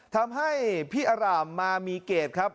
ทำให้พี่อร่ามมามีเกตครับ